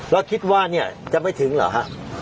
แล้วคิดว่าเนี่ยจะไม่ถึงเหรอฮะ